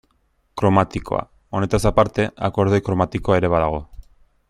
Kromatikoa: Honetaz aparte, akordeoi kromatikoa ere badago.